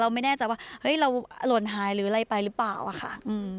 เราไม่แน่ใจว่าครือเล่าเราหล่นหายหรืออะไรไปรึเปล่าค่ะ